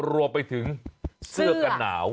รวมไปถึงเสื้อกันหนาว